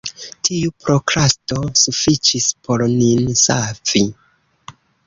Tiu prokrasto sufiĉis por nin savi.